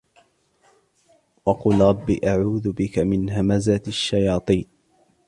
وقل رب أعوذ بك من همزات الشياطين